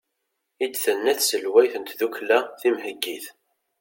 i d-tenna tselwayt n tddukkla timheggit